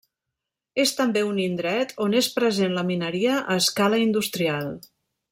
És també un indret on és present la mineria a escala industrial.